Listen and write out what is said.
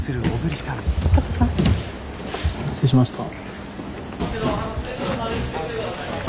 失礼しました。